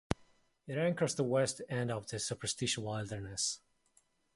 It anchors the west end of the Superstition Wilderness.